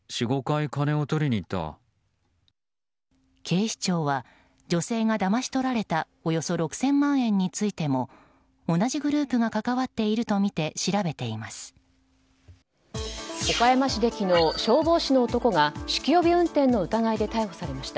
警視庁は女性がだまし取られたおよそ６０００万円についても同じグループが関わっているとみて調べています。